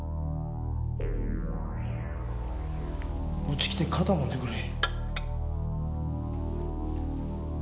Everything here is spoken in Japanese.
こっち来て肩もんでくれ。